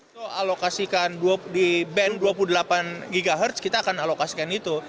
kita alokasikan di band dua puluh delapan ghz kita akan alokasikan itu